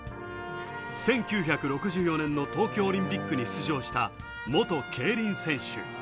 １９６４年の東京オリンピックに出場した元競輪選手。